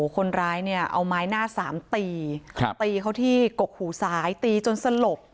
คนร้ายเนี่ยเอาไม้หน้าสามตีตีเขาที่กกหูซ้ายตีจนสลบ